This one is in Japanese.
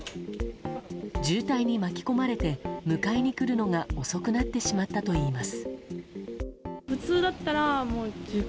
渋滞に巻き込まれて迎えに来るのが遅くなってしまったといいます。